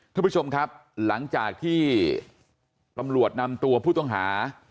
ท่านผู้ชมครับหลังจากที่ตำรวจนำตัวผู้ต้องหา